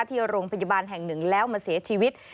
ที่โรงพยาบาลแห่งหนึ่งแล้วมาเสียชีวิต